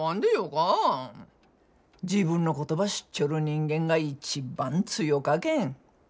自分のことば知っちょる人間が一番強かけん。